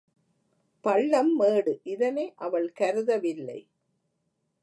பள்ளம் மேடு இதனை அவள் கருதவில்லை.